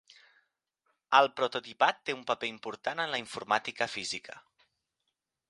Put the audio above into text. El prototipat té un paper important en la informàtica física.